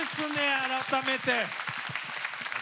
改めて。